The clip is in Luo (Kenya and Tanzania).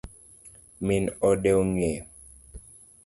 Min ode ong'eyo?